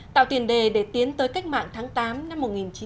tạo tiền đề để tiến tới cách mạng tháng tám năm một nghìn chín trăm bốn mươi năm